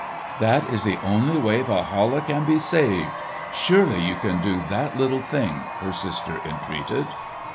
"That is the only way Walhalla can be saved! Surely you can do that little thing!" her sister entreated.